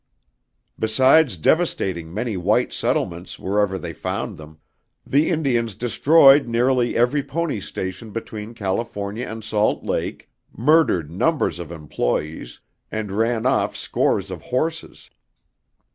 Besides devastating many white settlements wherever they found them, the Indians destroyed nearly every pony station between California and Salt Lake, murdered numbers of employes, and ran off scores of horses.